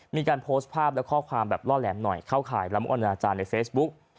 มีการโพสต์ภาพและข้อความแบบล่อแหลมหน่อยเข้าข่ายล้ำอนาจารย์ในเฟซบุ๊ก